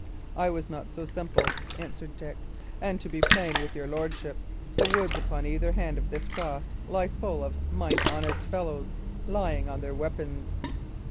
"I was not so simple," answered Dick; "and, to be plain with your lordship, the woods upon either hand of this cross lie full of mine honest fellows lying on their weapons."